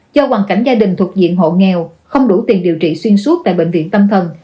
do hoàn cảnh gia đình thuộc diện hộ nghèo không đủ tiền điều trị xuyên suốt tại bệnh viện tâm thần